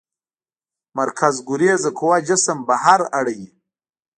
مرکزګریز قوه جسم بهر اړوي.